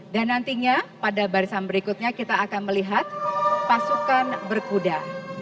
dan nantinya pada barisan berikutnya kita akan melihat pasukan berkuda